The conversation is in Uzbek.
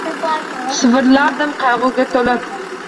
Shivirlardim qaygʻuga toʻlib: